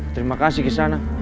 terima kasih ke sana